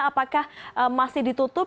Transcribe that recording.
apakah masih ditutup